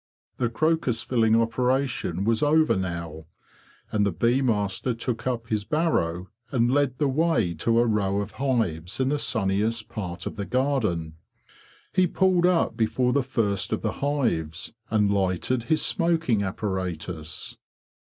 The crocus filling operation was over now, and the bee master took up his barrow and led the way to a row of hives in the sunniest part of the garden. He pulled up before the first of the hives, and lighted his smoking apparatus.